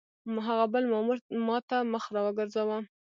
هغه بل مامور ما ته مخ را وګرځاوه.